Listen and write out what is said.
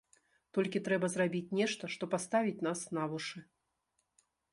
Толькі трэба зрабіць нешта, што паставіць нас на вушы.